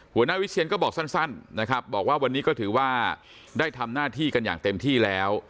วิเชียนก็บอกสั้นนะครับบอกว่าวันนี้ก็ถือว่าได้ทำหน้าที่กันอย่างเต็มที่แล้ว